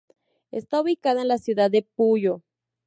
Está ubicado en la ciudad de Puyo.